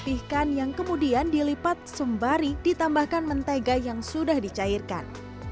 dipihkan yang kemudian dilipat sembari ditambahkan mentega yang sudah dicairkan